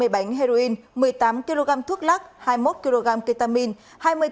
ba mươi bánh heroin một mươi tám kg thuốc lắc hai mươi bánh heroin hai mươi bánh heroin hai mươi bánh heroin